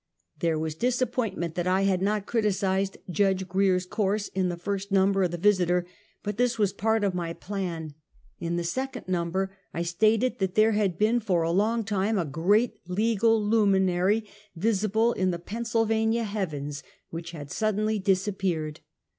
There was disappointment that I had not criticised Judge Grier's course in the first number of the Yis iter, but this was part of my plan. In the second number I stated that there had been for a long time a great legal luminary visible in the Pennsylvania heav ens, which had suddenly disappeared.